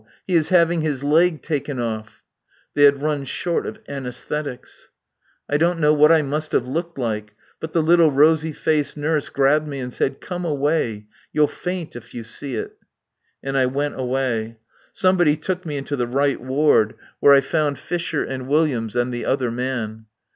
He is having his leg taken off." They had run short of anæsthetics. I don't know what I must have looked like, but the little rosy faced nurse grabbed me and said, "Come away. You'll faint if you see it." And I went away. Somebody took me into the right ward, where I found Fisher and Williams and the other man.